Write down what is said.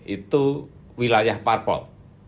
itu wilayah parpol